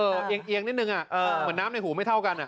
เออเอียงเอียงนิดหนึ่งอ่ะเออเหมือนน้ำในหูไม่เท่ากันอ่ะ